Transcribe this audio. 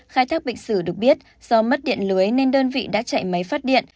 khai thác bệnh sử được biết do mất điện lưới nên đơn vị đã chạy máy phát điện